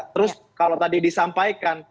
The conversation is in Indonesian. terus kalau tadi disampaikan